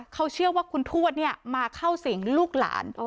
เขาเชื่อว่าคุณทวดมาเข้าสิงลูกหลาน